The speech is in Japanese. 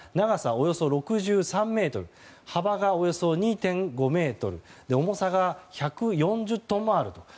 およそ６３ｍ幅がおよそ２．５ｍ重さが１４０トンもあると。